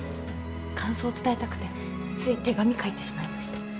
感想伝えたくてつい手紙書いてしまいました。